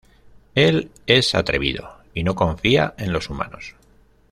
Él es atrevido, y no confía en los humanos.